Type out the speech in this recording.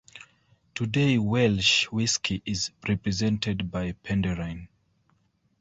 Today Welsh whisky is represented by Penderyn.